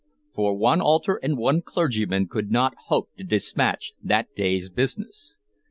For one altar and one clergyman could not hope to dispatch that day's business.